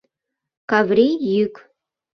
Каврий йӱк.